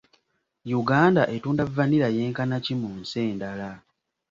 Uganda etunda vanilla yenkana ki mu nsi endala?